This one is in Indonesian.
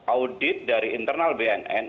audit dari internal bnn